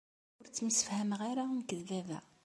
Ur ttemsefhameɣ ara nekk d baba.